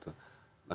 stunting jawa barat